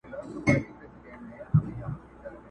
بيزو وان سو په چغارو په نارو سو!.